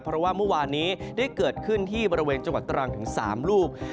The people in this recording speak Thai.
เพราะว่าเมื่อวานนี้ได้เกิดขึ้นที่บริเวณจังหวัดตรังถึง๓ลูก